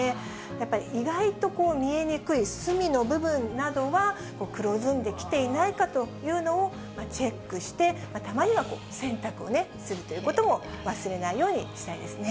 やっぱり、意外と見えにくい隅の部分などは、黒ずんできていないかというのをチェックして、たまには洗濯をするということも忘れないようにしたいですね。